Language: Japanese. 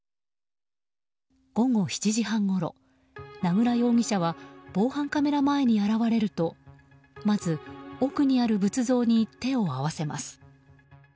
午後７時半ごろ、名倉容疑者は防犯カメラ前に現れるとまず奥にある仏像に手を合わせます。